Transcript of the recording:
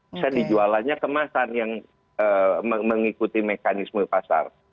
bisa dijualannya kemasan yang mengikuti mekanisme pasar